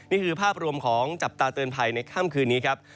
นี่คือภาพรวมของจับตาเตือนภัยในค่ำคืนนี้ครับ